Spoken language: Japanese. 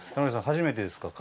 初めてですか？